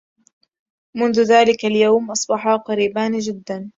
منذ ذلك اليوم، أصبحا قريبان جدّا.